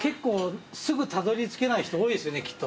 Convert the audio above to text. すぐたどり着けない人多いですよねきっと。